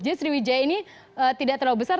jadi sriwijaya ini tidak terlalu besar